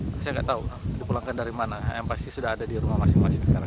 saya nggak tahu dipulangkan dari mana yang pasti sudah ada di rumah masing masing sekarang